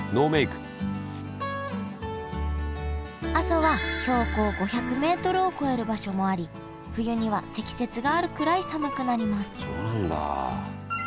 阿蘇は標高５００メートルを超える場所もあり冬には積雪があるくらい寒くなります